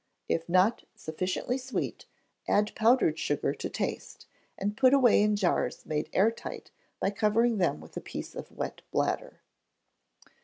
If not sufficiently sweet, add powdered sugar to taste, and put away in jars made air tight by covering them with a piece of wet bladder.